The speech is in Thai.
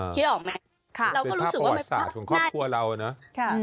เป็นภาพประวัติศาสตร์ของครอบครัวเราเนอะ